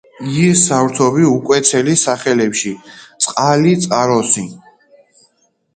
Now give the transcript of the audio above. კლიმატი რბილია, ხმელთაშუაზღვიური ნიშნებით.